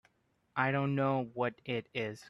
I don't know what it is.